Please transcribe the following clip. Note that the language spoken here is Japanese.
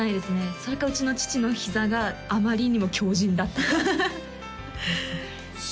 それかうちの父のひざがあまりにも強じんだったかですね